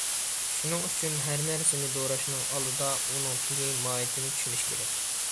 شۇنىڭ ئۈچۈن ھەر نەرسىنى دوراشنىڭ ئالدىدا ئۇنىڭ تېگى ماھىيىتىنى چۈشىنىش كېرەك.